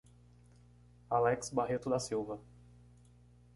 Alex Barreto da Silva